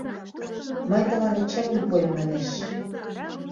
Мый тыланет чывым пуэм» манеш.